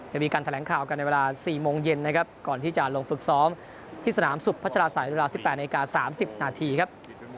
จะมีการแถลงข่าวกันในเวลา๐๕๐๐นนะครับก่อนที่จะลงฝึกซ้อมที่สนามสุบประชาษัยเวลา๑๗๓๐นครับ